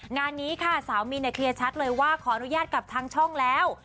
งานนี้ค่ะสาวมีนเคลียร์ชัดเลยว่าขออนุญาตกับทางช่องแล้ว